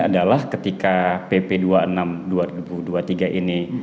adalah ketika pp dua puluh enam dua ribu dua puluh tiga ini